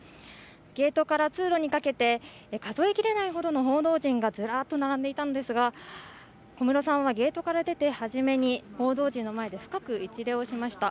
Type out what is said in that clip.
ゲートから通路にかけて数え切れないほどの報道陣がずらっと並んでいたんですが、小室さんはゲートから出て初めに報道陣の前で深く一礼をしました。